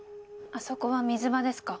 あそこは水場ですか？